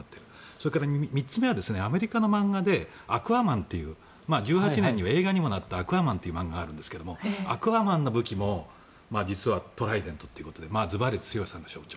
それから３つ目はアメリカの漫画で「アクアマン」っていう１８年には映画にもなった「アクアマン」という漫画があるんですがアクアマンの武器も実はトライデントということでずばり強さの象徴。